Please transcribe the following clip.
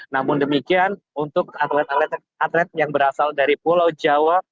namun demikian untuk atlet atlet yang berasal dari pulau jawa